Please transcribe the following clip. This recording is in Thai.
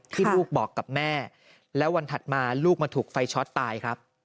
ที่ลูกบอกกับแม่แล้ววันถัดมาลูกมาถูกไฟช็อตตายครับ